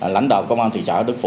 lãnh đạo công an thị trạng đức phủ